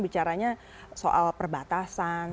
bicaranya soal perbatasan